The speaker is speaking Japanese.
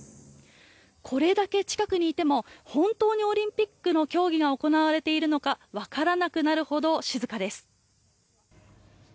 これだけ近くにいても本当にオリンピックの競技が行われているのかわからなくなるほど静かです。